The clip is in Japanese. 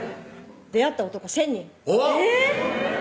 出会った男１０００人おっ！